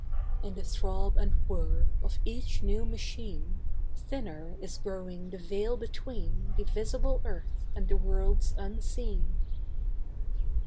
In the throb and whir of each new machine Thinner is growing the veil between The visible earth and the worlds unseen.